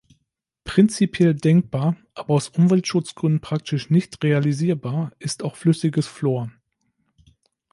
Prinzipiell denkbar, aber aus Umweltschutzgründen praktisch nicht realisierbar, ist auch flüssiges Fluor.